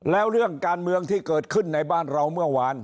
แล้วเรื่องการเมืองที่เกิดขึ้นในบ้านเราเมื่อวาน